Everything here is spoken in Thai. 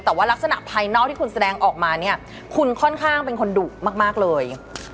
แต่ว่ารักษณะภายนอกที่คุณแสดงออกมาเนี่ยคุณค่อนข้างเป็นคนดุมากเลย